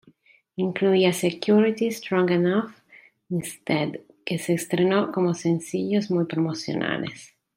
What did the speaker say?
Incluía "Security", "Strong Enough" y "Instead", que se estrenó como sencillos muy promocional.